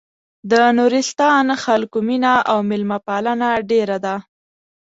د نورستان خلکو مينه او مېلمه پالنه ډېره ده.